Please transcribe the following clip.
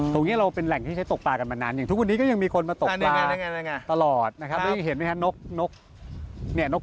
ตรงนี้เราเป็นแหล่งที่ใช้ตกปลากันมานาน